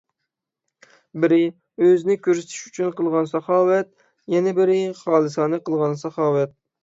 بىرى، ئۆزىنى كۆرسىتىش ئۈچۈن قىلىنغان ساخاۋەت. يەنە بىرى، خالىسانە قىلىنغان ساخاۋەت.